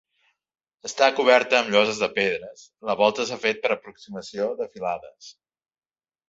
Està coberta amb lloses de pedres, la volta s'ha fet per aproximació de filades.